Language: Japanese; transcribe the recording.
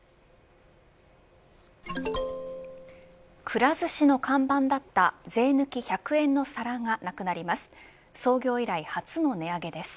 くら寿司の看板だった税抜き１００円の皿がなくなります。